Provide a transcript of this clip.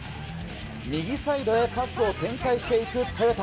右サイドへパスを展開していくトヨタ。